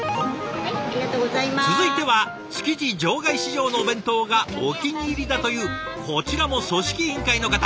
続いては築地場外市場のお弁当がお気に入りだというこちらも組織委員会の方。